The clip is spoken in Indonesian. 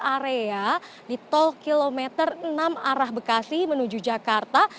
area di tol kilometer enam arah bekasi menuju jakarta